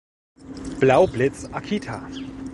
Blaublitz Akita